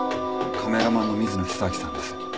カメラマンの水野久明さんです。